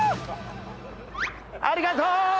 ありがとう！